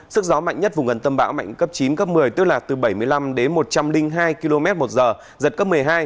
sức gió mạnh nhất vùng gần tâm bão mạnh cấp chín cấp một mươi tức là từ bảy mươi năm đến một trăm linh hai km một giờ giật cấp một mươi hai